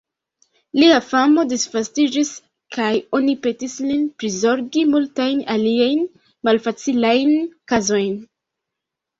Lia famo disvastiĝis kaj oni petis lin prizorgi multajn aliajn malfacilajn kazojn.